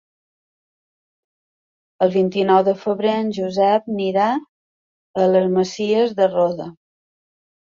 El vint-i-nou de febrer en Josep anirà a les Masies de Roda.